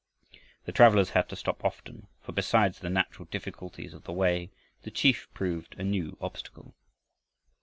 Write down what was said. The travelers had to stop often, for, besides the natural difficulties of the way, the chief proved a new obstacle.